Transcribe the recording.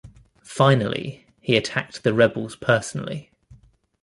Finally, he attacked the rebels personally.